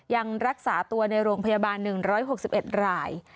ยังรักษาตัวในโรงพยาบาล๑๖๑ราย